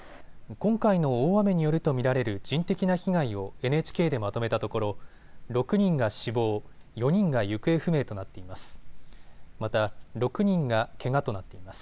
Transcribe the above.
今回の大雨によると見られる人的な被害をＮＨＫでまとめたところ６人が死亡、４人が行方不明となっています。